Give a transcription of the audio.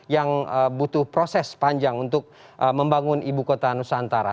yang butuh proses panjang untuk membangun ibu kota nusantara